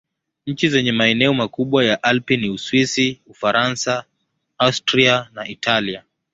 Nchi zenye maeneo makubwa ya Alpi ni Uswisi, Ufaransa, Austria na Italia.